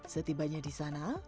setibanya di sana